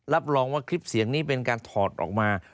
รับรองว่าคลิปเสียงนี้เป็นการถอดออกมา